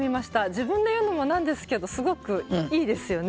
自分でいうのもなんですけどすごくいいですよね。